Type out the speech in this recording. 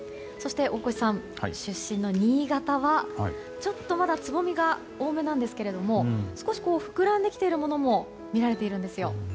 そして、大越さん出身の新潟はちょっとまだつぼみが多めなんですけれども少し膨らんできているものも見られているんですよ。